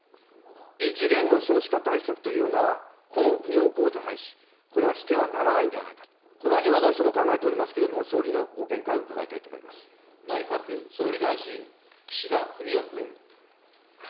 異次元の少子化対策というなら、この扶養控除廃止、これはしてはならないんではないかと、このように私ども考えておりますけれども、総理のご見解を伺いた内閣総理大臣、岸田文雄君。